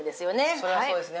それはそうですね